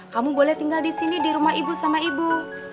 kamu boleh tinggal di sini di rumah ibu sama ibu